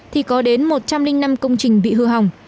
thì có đến một trăm linh năm công trình bị hư hỏng